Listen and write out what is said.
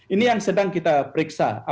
ini yang sedang kita periksa